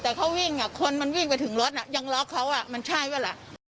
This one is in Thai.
แต่คนมันวิ่งไปถึงรถยังล๊อกเขามันใช่ปะล่ะ